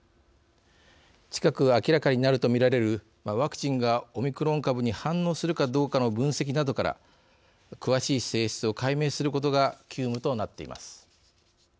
近く明らかになるとみられるワクチンが、オミクロン株に反応するかどうかの分析などから詳しい性質を解明することが急務となっています。